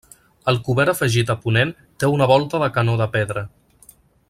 El cobert afegit a ponent té una volta de canó de pedra.